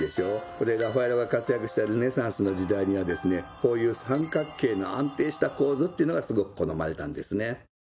これラファエロが活躍したルネサンスの時代にはですねこういう三角形の安定した構図っていうのがすごく好まれたんですね。